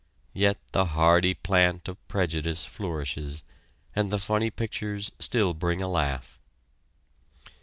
Yet the hardy plant of prejudice flourishes, and the funny pictures still bring a laugh.